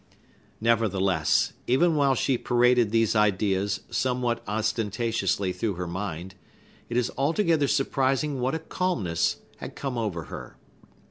Nevertheless, even while she paraded these ideas somewhat ostentatiously through her mind, it is altogether surprising what a calmness had come over her.